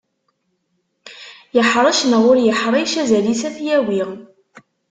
Yeḥrec neɣ ur yeḥric, azal-is ad t-yawi.